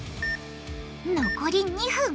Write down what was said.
残り２分。